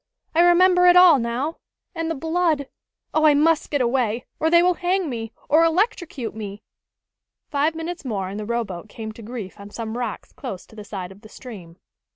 I remember it all, now. And the blood! Oh, I must get away, or they will hang me, or electrocute me!" Five minutes more and the rowboat came to grief on some rocks close to the side of the stream.